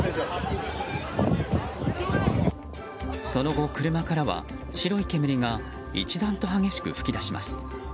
その後、車からは白い煙が一段と激しく噴き出します。